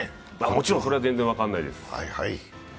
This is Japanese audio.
もちろん、それは全然分からないです。